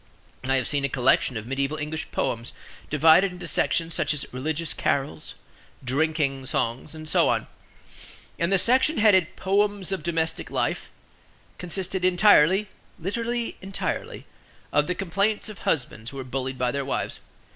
I have seen a collection of mediaeval English poems, divided into sections such as "Religious Carols," "Drinking Songs," and so on; and the section headed, "Poems of Domestic Life" consisted entirely (literally, entirely) of the complaints of husbands who were bullied by their wives.